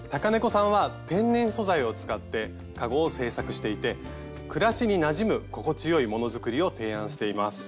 ｔａｋａｎｅｃｏさんは天然素材を使ってかごを製作していて暮らしになじむ心地よい物作りを提案しています。